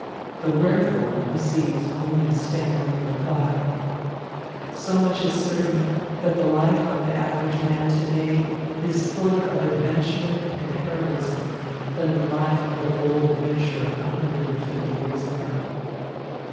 The wherefore receives only a stammering reply. So much is certain, that the life of the average man to day is fuller of adventure and heroism than the life of a bold adventurer a hundred and fifty years ago.